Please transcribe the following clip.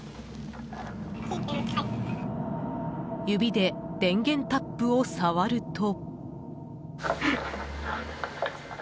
指で電源タップを触ると。